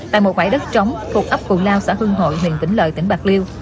tại một bãi đất trống thuộc ấp cù lao xã hương hồi huyện vĩnh lợi tỉnh bạc liêu